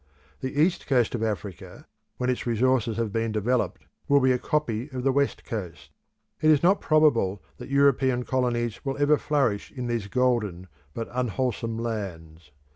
The East Coast of Africa, when its resources have been developed, will be a copy of the West Coast. It is not probable that European colonies will ever flourish in these golden but unwholesome lands.